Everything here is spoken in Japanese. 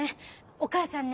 お母さんね